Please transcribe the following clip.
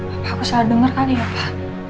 apa aku salah denger kali ya pak